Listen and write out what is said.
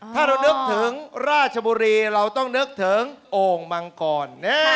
ถ้าเรานึกถึงราชบุรีเราต้องนึกถึงโอ่งมังกร